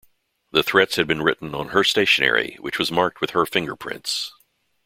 The threats had been written on her stationery, which was marked with her fingerprints.